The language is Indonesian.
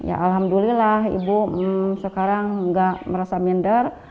alhamdulillah ibu sekarang tidak merasa minder